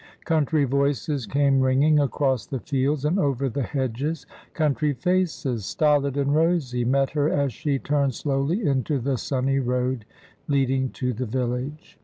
Country voices came ringing across the fields and over the hedges; country faces, stolid and rosy, met her as she turned slowly into the sunny road leading to the village.